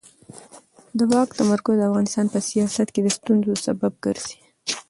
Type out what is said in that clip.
د واک تمرکز د افغانستان په سیاست کې د ستونزو سبب ګرځي